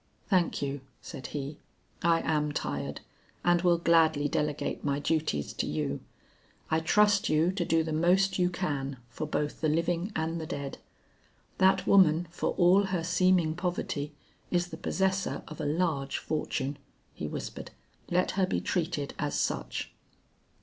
"Thank you," said he, "I am tired and will gladly delegate my duties to you. I trust you to do the most you can for both the living and the dead. That woman for all her seeming poverty is the possessor of a large fortune;" he whispered; "let her be treated as such."